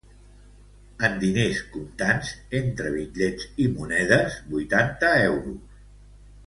En diners comptants, entre bitllets i monedes, vuitanta euros.